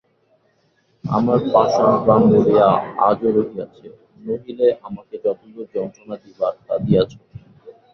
আমার পাষাণ প্রাণ বলিয়া আজও রহিয়াছে, নহিলে আমাকে যতদূর যন্ত্রণা দিবার তা দিয়াছ।